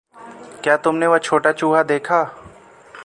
क्या तुमने वह छोटा चूहा देखा?